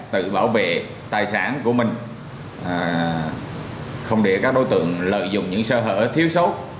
tự bảo vệ tài sản của mình không để các đối tượng lợi dụng những sơ hở thiếu sót